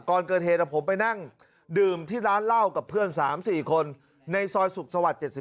ก่อนเกิดเหตุผมไปนั่งดื่มที่ร้านเหล้ากับเพื่อน๓๔คนในซอยสุขสวรรค์๗๒